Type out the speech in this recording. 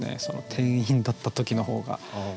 店員だった時の方が。